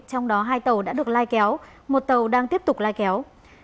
trong đó hai tàu đã được lai kéo một tàu đang tiếp tục lai kéo